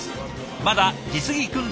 まだ実技訓練